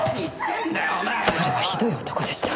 それはひどい男でした。